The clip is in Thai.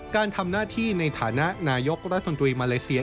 การทำหน้าที่ในฐานะนายกรัฐมนตรีมาเลเซีย